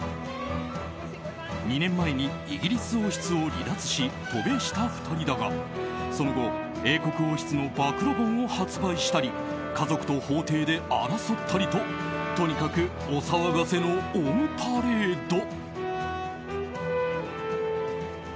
２年前にイギリス王室を離脱し渡米した２人だがその後英国王室の暴露本を発売したり家族と法廷で争ったりととにかくお騒がせのオンパレード。